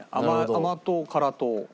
甘党辛党。